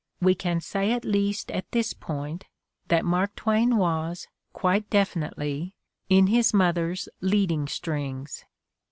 We can say at least at this point that Mark Twain was, quite definitely, in his mother's leading strings.